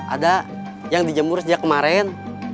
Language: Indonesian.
ada yang dijemur sejak kemarin